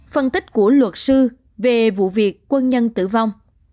phân tích của luật sư về vụ việc quân nhân tử vong